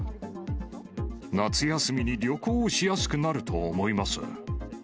夏休みに旅行しやすくなると思います。